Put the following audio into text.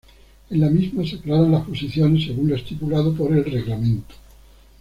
En la misma se aclaran las posiciones según lo estipulado por el reglamento.